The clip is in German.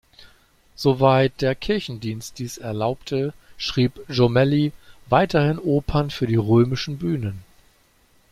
Soweit der Kirchendienst dies erlaubte, schrieb Jommelli weiterhin Opern für die römischen Bühnen.